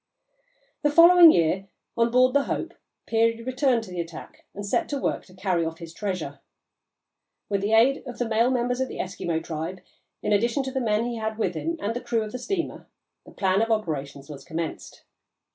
The following year, on board the Hope, Peary returned to the attack and set to work to carry off his treasure. With the aid of the male members of the Eskimo tribe, in addition to the men he had with him and the crew of the steamer, the plan of operations was commenced.